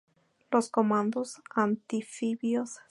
Los comandos anfibios se especializan en comando, buceo y paracaidismo.